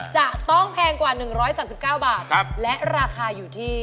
จะต้องแพงกว่า๑๓๙บาทและราคาอยู่ที่